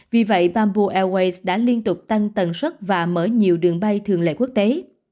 vì vậy bamboo airways đã liên tục tăng tần suất và mở nhiều đường bay thường lệ quốc tế